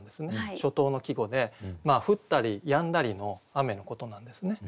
初冬の季語で降ったりやんだりの雨のことなんですね。